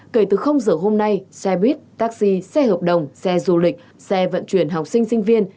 kể từ giờ hôm nay xe buýt taxi xe hợp đồng xe du lịch xe vận chuyển học sinh sinh viên